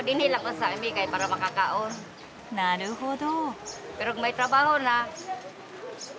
なるほど。